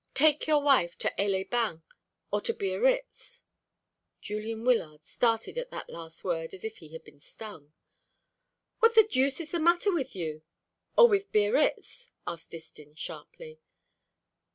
Take your wife to Aix les Bains or to Biarritz " Julian Wyllard started at that last word as if he had been stung. "What the deuce is the matter with you, or with Biarritz?" asked Distin sharply.